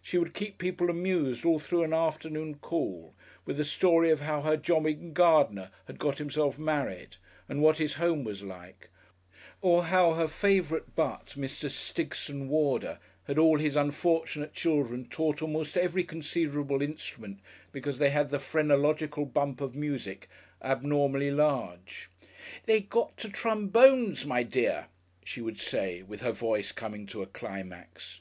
She would keep people amused all through an afternoon call, with the story of how her jobbing gardener had got himself married and what his home was like, or how her favourite butt, Mr. Stigson Warder, had all his unfortunate children taught almost every conceivable instrument because they had the phrenological bump of music abnormally large. "They got to trombones, my dear!" she would say, with her voice coming to a climax.